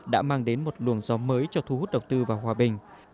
đã mang đến một luồng gió mới cho thu hút đầu tư vào hòa bình